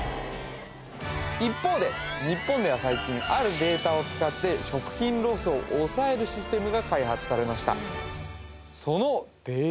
一方で日本では最近あるデータを使って食品ロスを抑えるシステムが開発されました